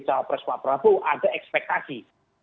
cawapres pak prabowo ada ekspektasi